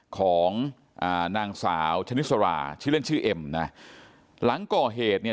ของอ่านางสาวชนิสราชื่อเล่นชื่อเอ็มนะหลังก่อเหตุเนี่ย